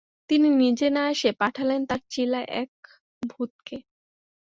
তিনি নিজে না এসে পাঠালেন তার চেলা এক ভূতকে।